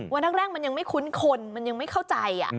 วันแรกมันยังไม่คุ้นคนมันยังไม่เข้าใจ